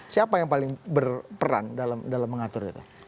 siapa yang paling berperan dalam mengatur itu